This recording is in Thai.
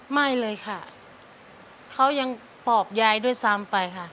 ไม่เลยค่ะเขายังปอบยายด้วยซ้ำไปค่ะ